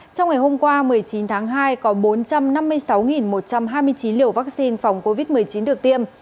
trong ngày hôm qua một mươi chín tháng hai có bốn trăm năm mươi sáu một trăm hai mươi chín liều vaccine phòng covid một mươi chín được tiêm